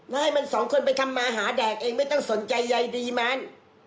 แล้วให้มันสองคนไปทำมาหาแดกเองไม่ต้องสนใจใยดีมัน